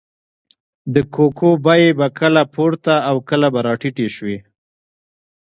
د کوکو بیې به کله پورته او کله به راټیټې شوې.